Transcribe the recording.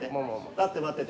立って待ってて。